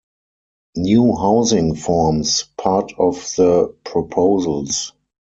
New housing forms part of the proposals.